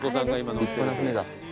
立派な船だ。